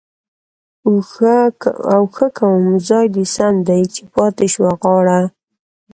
ـ اوښه کوم ځاى د سم دى ،چې پاتې شوه غاړه؟؟